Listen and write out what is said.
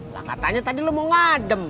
lah katanya tadi lo mau ngadem